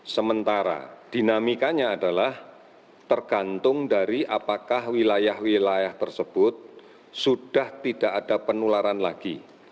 sementara dinamikanya adalah tergantung dari apakah wilayah wilayah tersebut sudah tidak ada penularan lagi